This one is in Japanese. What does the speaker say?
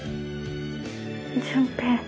純平。